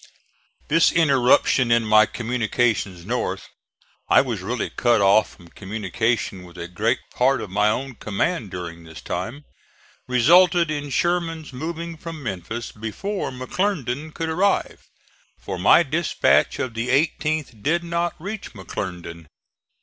This interruption in my communications north I was really cut off from communication with a great part of my own command during this time resulted in Sherman's moving from Memphis before McClernand could arrive, for my dispatch of the 18th did not reach McClernand.